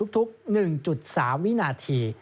ทุก๑๓วินาที